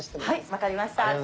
はいわかりました。